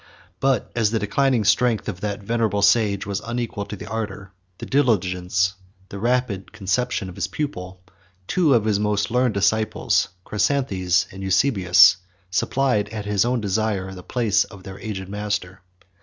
But as the declining strength of that venerable sage was unequal to the ardor, the diligence, the rapid conception of his pupil, two of his most learned disciples, Chrysanthes and Eusebius, supplied, at his own desire, the place of their aged master.